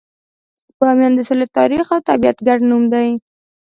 بامیان د سولې، تاریخ، او طبیعت ګډ نوم دی.